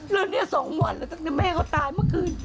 แล้วเนี่ย๒วันแล้วตั้งแต่แม่เขาตายเมื่อคืน